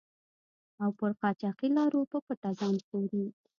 او پر قاچاقي لارو په پټه ځان ژغوري.